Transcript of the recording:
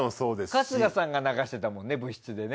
春日さんが流してたもんね部室でね。